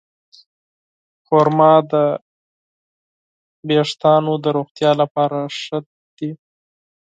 خرما د ویښتو د روغتیا لپاره ښه ده.